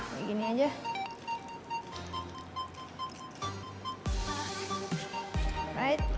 kayak gini aja